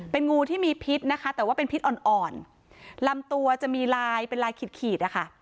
เป็นงูที่มีพิษนะคะแต่ว่าเป็นพิษอ่อนอ่อนลำตัวจะมีลายเป็นลายขีดขีดนะคะ